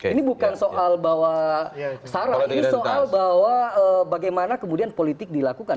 ini bukan soal bahwa sarah ini soal bahwa bagaimana kemudian politik dilakukan